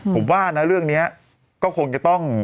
ถ้าคงจะต้อง